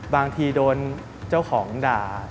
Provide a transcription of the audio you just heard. บางทีโดนเจ้าของด่า